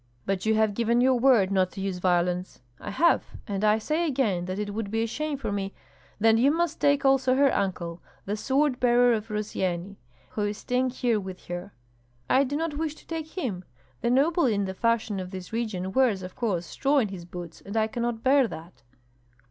"But you have given your word not to use violence." "I have, and I say again that it would be a shame for me " "Then you must take also her uncle, the sword bearer of Rossyeni, who is staying here with her." "I do not wish to take him. The noble in the fashion of this region wears, of course, straw in his boots, and I cannot bear that."